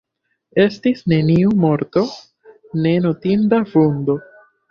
Estis neniu morto, ne notinda vundo.